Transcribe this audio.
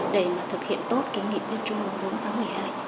để mà thực hiện tốt kiến nghị kết chung của bốn tháng một mươi hai